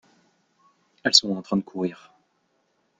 Elles sont en train de courir.